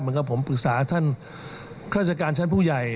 เหมือนกับผมปรึกษาท่านข้าราชการชั้นผู้ใหญ่